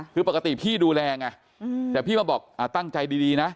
คือปกติพี่ดูแลไงแต่พี่มาบอกตั้งใจดีนะ